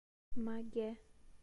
Magé